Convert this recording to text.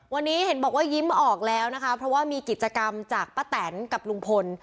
วันนี้เห็นบอกว่ายิ้มออกแล้วนะคะเพราะว่ามีกิจกรรมจากป้าแตนกับลุงพล